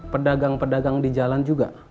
pedagang pedagang di jalan juga